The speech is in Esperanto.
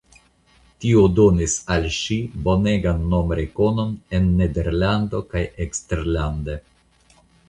Tio donis al ŝi bonegan nomrekonon en Nederlando kaj eksterlande.